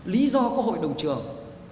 lý do có hội đồng trường